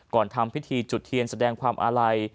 ทำพิธีจุดเทียนแสดงความอาลัย